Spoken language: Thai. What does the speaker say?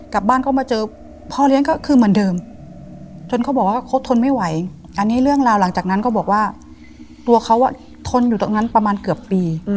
กลับบ้านก็มาเจอพ่อเลี้ยงก็คือเหมือนเดิมจนเขาบอกว่าเขาทนไม่ไหวอันนี้เรื่องราวหลังจากนั้นก็บอกว่าตัวเขาทนอยู่ตรงนั้นประมาณเกือบปี